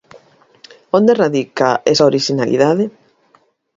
Onde radica esa orixinalidade?